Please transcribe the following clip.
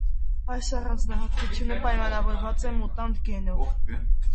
Այդ առանձնահատկոիթյունը պայմանավորված է մուտանտ գենով։